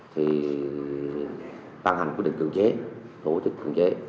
thì ban hành quyết định cường chế tổ chức cường chế